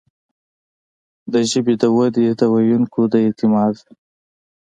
د ژبې د ودې، د ویونکو د اعتماد